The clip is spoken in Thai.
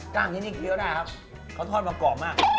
กล้างที่นี่เยอะได้ครับเขาทอดมากรอบมาก